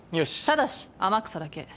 ただし天草だけ。